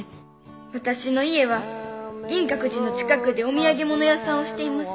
「私の家は銀閣寺の近くでお土産物屋さんをしています」